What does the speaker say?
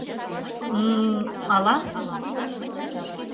М-м-м... ала...